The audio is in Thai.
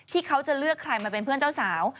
เขาจะเลือกใครมาเป็นเพื่อนเจ้าสาว